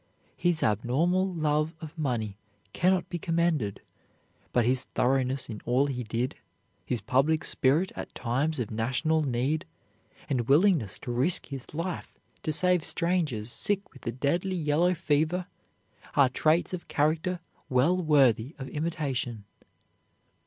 His abnormal love of money cannot be commended, but his thoroughness in all he did, his public spirit at times of national need, and willingness to risk his life to save strangers sick with the deadly yellow fever, are traits of character well worthy of imitation.